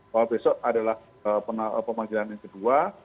bahwa besok adalah pemanggilan yang kedua